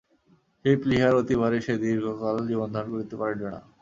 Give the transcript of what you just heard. সেই প্লীহার অতিভারেই সে দীর্ঘকাল জীবনধারণ করিতে পারিল না।